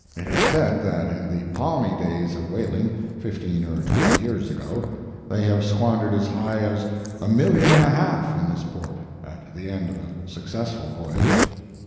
It is said that in the palmy days of whaling, fifteen or twenty years ago, they have squandered as high as a million and a half in this port at the end of a successful voyage.